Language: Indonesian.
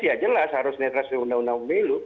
ya jelas harus netral undang undang pemilu